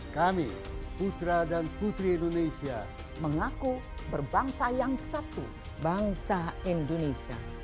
kami putra dan putri indonesia mengaku berbangsa yang satu bangsa indonesia